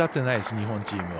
日本チームは。